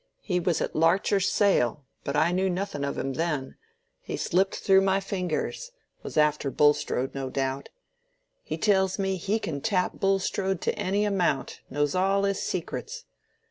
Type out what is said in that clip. "He was at Larcher's sale, but I knew nothing of him then—he slipped through my fingers—was after Bulstrode, no doubt. He tells me he can tap Bulstrode to any amount, knows all his secrets.